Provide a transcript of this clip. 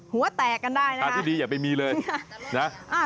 หัวแตกกันได้นะคะ